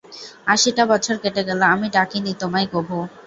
আশিটা বছর কেটে গেল, আমি ডাকিনি তোমায় কভু।